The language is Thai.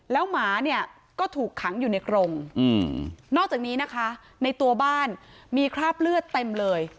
แล้วหมาเนี่ยก็ถูกขังอยู่ในกรงนอกจากนี้นะคะในตัวบ้านมีคราบเลือดเต็มเลย